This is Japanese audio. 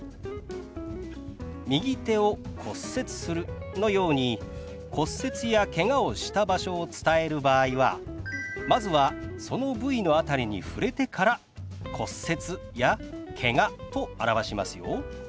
「右手を骨折する」のように骨折やけがをした場所を伝える場合はまずはその部位の辺りに触れてから「骨折」や「けが」と表しますよ。